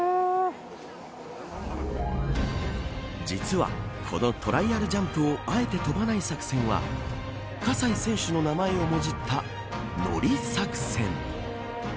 実はこのトライアルジャンプをあえて飛ばない作戦は葛西選手の名前をもじったノリ作戦。